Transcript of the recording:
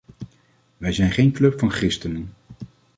Wij zijn geen club van christenen.